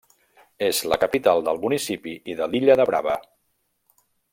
És la capital del municipi i de l'illa de Brava.